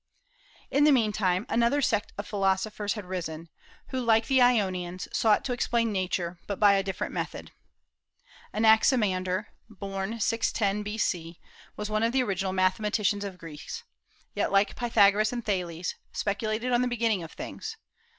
In the mean time another sect of philosophers had arisen, who, like the Ionians, sought to explain Nature, but by a different method. Anaximander, born 610 B.C., was one of the original mathematicians of Greece, yet, like Pythagoras and Thales, speculated on the beginning of things.